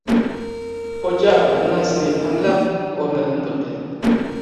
خوجا بىر نەرسىنى پەملەپ، ئورنىدىن تۇردى.